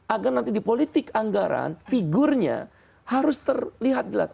agar nanti di politik anggaran figurnya harus terlihat jelas